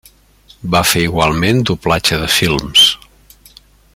Va fer igualment doblatge de films.